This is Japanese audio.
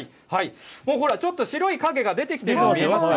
もうほら、ちょっと白い影が出てきているの見えますか。